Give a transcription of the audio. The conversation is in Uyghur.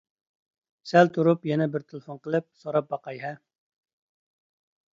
سەل تۇرۇپ يەنە بىر تېلېفون قىلىپ سوراپ باقاي-ھە.